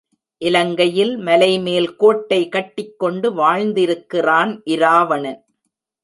இலங்கையில் மலைமேல் கோட்டை கட்டிக்கொண்டு வாழ்ந்திருக்கிறான் இராவணன்.